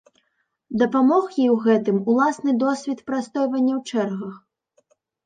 Дапамог ёй у гэтым уласны досвед прастойвання ў чэргах.